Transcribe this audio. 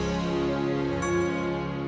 penjelasan akhir fru